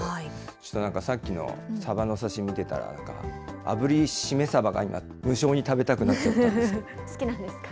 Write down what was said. ちょっとなんかさっきのサバの刺身見てたら、なんかあぶりシメサバがいいなと、無性に食べたくなってきたんです。